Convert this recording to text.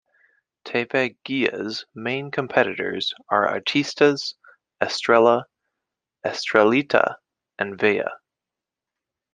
"Teve Guia"'s main competitors are "Artistas", "Estrella", "Estrellita", and "Vea".